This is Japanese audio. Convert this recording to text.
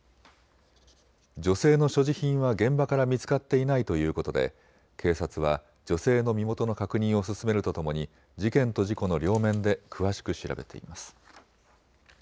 女性の所持品は現場から見つかっていないということで警察は女性の身元の確認を進めるとともに事件と事故の両面で詳しく調べています。